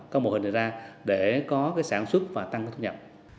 có mô hình này ra để có cái sản xuất và tăng cái thu nhập